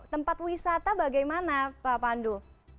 tempat wisata bagaimana pak pandu